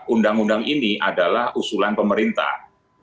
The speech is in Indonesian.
undang undang ini adalah usulan pemerintah